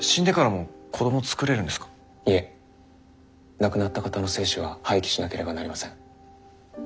亡くなった方の精子は廃棄しなければなりません。